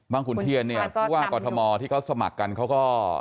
ขุนเทียนเนี่ยผู้ว่ากอทมที่เขาสมัครกันเขาก็